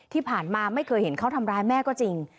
ที่ผ่านมาไม่เคยเห็นเขาทำร้ายแม่ก็จริง